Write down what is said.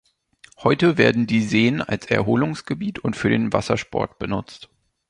Heute werden die Seen als Erholungsgebiet und für den Wassersport benutzt.